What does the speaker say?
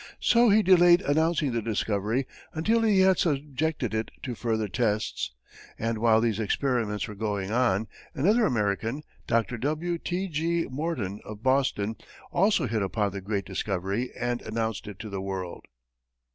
So he delayed announcing the discovery until he had subjected it to further tests, and while these experiments were going on, another American, Dr. W. T. G. Morton, of Boston, also hit upon the great discovery and announced it to the world.